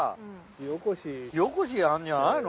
火おこしでやるんじゃないの？